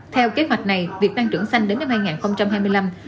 theo kế hoạch này việc tăng trưởng xanh đến năm hai nghìn hai mươi năm